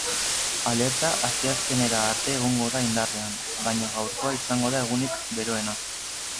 Alerta asteazkenera arte egongo da indarrean, baina gaurkoa izango da egunik beroena.